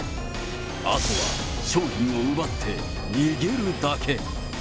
あとは商品を奪って逃げるだけ。